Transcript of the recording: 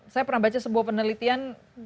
saya pernah baca sebuah penelitian